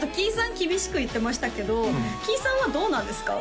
厳しく言ってましたけどキイさんはどうなんですか？